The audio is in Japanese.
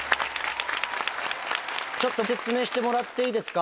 ちょっと説明してもらっていいですか？